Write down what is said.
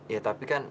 ya tapi kan